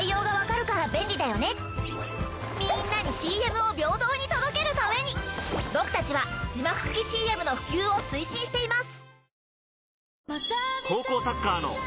みんなにＣＭを平等に届けるために僕たちは字幕付きＣＭの普及を推進しています。